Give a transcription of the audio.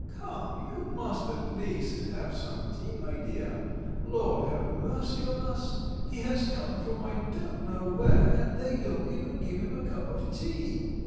"Come, you must at least have some tea, my dear. Lord have mercy on us! He has come from I don't know where, and they don't even give him a cup of tea!